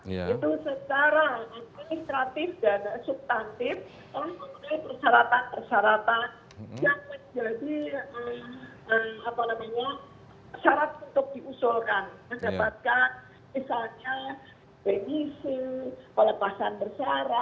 itu secara administratif dan subtantif memenuhi persyaratan persyaratan